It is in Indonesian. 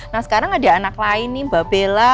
nah sekarang ada anak lain nih mbak bella